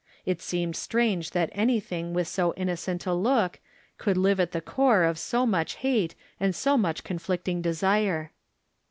It seemed strange that anything with so in nocent a look could live at the core of so much hate and so much conflicting desire.